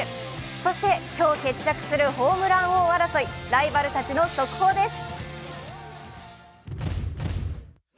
そして、今日決着するホームラン王争い、ライバルたちの速報です。